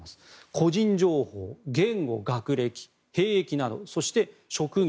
個人情報、言語、学歴、兵役などそして職業。